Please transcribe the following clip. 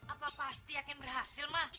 apa pasti akan berhasil mah